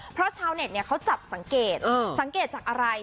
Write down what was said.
เพราะชาวเน็ตเขาจับสังเกตสังเกตจากอะไร